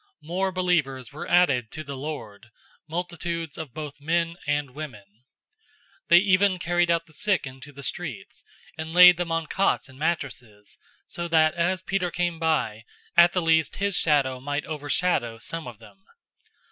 005:014 More believers were added to the Lord, multitudes of both men and women. 005:015 They even carried out the sick into the streets, and laid them on cots and mattresses, so that as Peter came by, at the least his shadow might overshadow some of them.